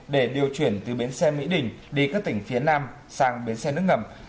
để điều chuyển từ biến xe mỹ đình đi các tỉnh phía nam sang biến xe nước ngầm